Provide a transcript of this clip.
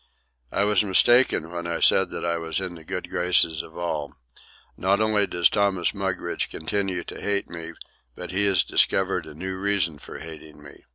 I was mistaken when I said that I was in the good graces of all. Not only does Thomas Mugridge continue to hate me, but he has discovered a new reason for hating me.